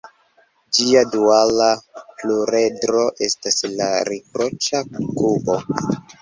Ĝia duala pluredro estas la riproĉa kubo.